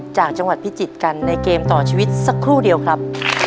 จากจังหวัดพิจิตรกันในเกมต่อชีวิตสักครู่เดียวครับ